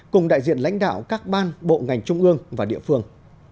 cùng đại diện lãnh đạo các ban bộ ngành trung ương và địa phương